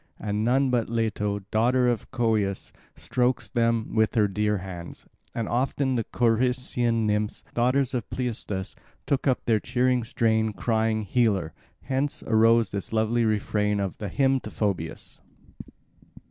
And none but Leto, daughter of Coeus, strokes them with her dear hands. And often the Corycian nymphs, daughters of Pleistus, took up the cheering strain crying "Healer"; hence arose this lovely refrain of the hymn to Phoebus.